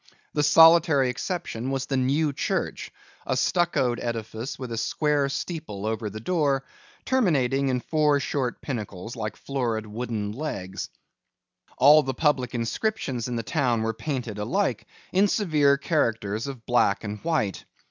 The solitary exception was the New Church; a stuccoed edifice with a square steeple over the door, terminating in four short pinnacles like florid wooden legs. All the public inscriptions in the town were painted alike, in severe characters of black and white.